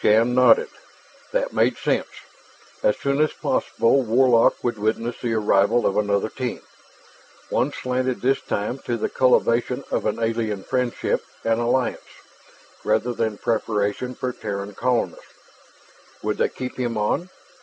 Shann nodded. That made sense. As soon as possible Warlock would witness the arrival of another team, one slanted this time to the cultivation of an alien friendship and alliance, rather than preparation for Terran colonists. Would they keep him on?